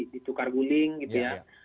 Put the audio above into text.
ditukar guling gitu ya